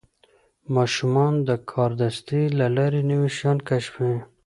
ماشومان د کاردستي له لارې نوي شیان کشفوي.